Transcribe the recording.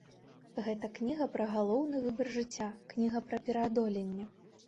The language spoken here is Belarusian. Гэта кніга пра галоўны выбар жыцця, кніга пра пераадоленне.